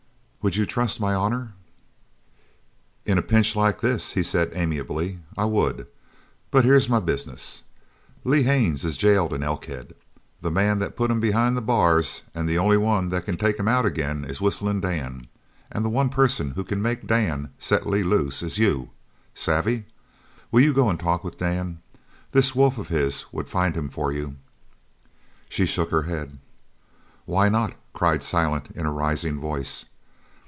"Would you trust my honour?" "In a pinch like this," he said amiably, "I would. But here's my business. Lee Haines is jailed in Elkhead. The man that put him behind the bars an' the only one that can take him out agin is Whistlin' Dan. An' the one person who can make Dan set Lee loose is you. Savvy? Will you go an' talk with Dan? This wolf of his would find him for you." She shook her head. "Why not?" cried Silent in a rising voice.